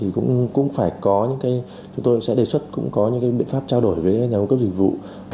chúng tôi sẽ đề xuất những biện pháp trao đổi với nhà cung cấp dịch vụ